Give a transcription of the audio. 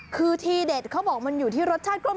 คือทีเด็ดเขาบอกมันอยู่ที่รสชาติกลม